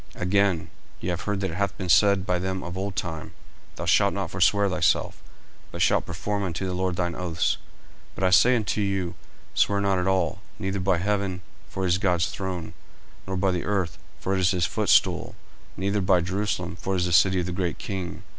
40:005:033 Again, ye have heard that it hath been said by them of old time, Thou shalt not forswear thyself, but shalt perform unto the Lord thine oaths: 40:005:034 But I say unto you, Swear not at all; neither by heaven; for it is God's throne: 40:005:035 Nor by the earth; for it is his footstool: neither by Jerusalem; for it is the city of the great King.